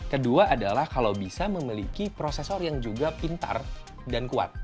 kedua adalah kalau bisa memiliki prosesor yang juga pintar dan kuat